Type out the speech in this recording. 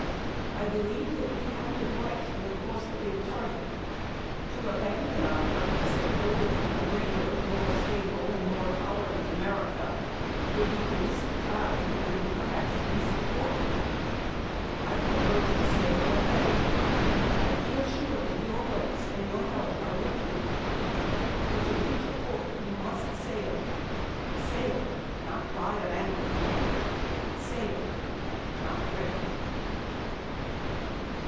I believe that we have been right in the course we have charted. To abandon our purpose of building a greater, a more stable and a more tolerant America would be to miss the tide and perhaps to miss the port. I propose to sail ahead. I feel sure that your hopes and your help are with me. For to reach a port, we must sail sail, not lie at anchor, sail, not drift.